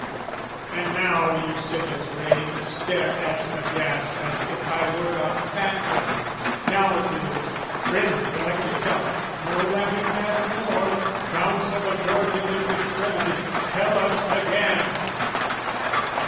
And now you sit as grave, stare as aghast As if I were a phantom: now 'tis "Friend, "Collect yourself!" no laughing matter more "Counsel the Court in this extremity, "Tell us again!"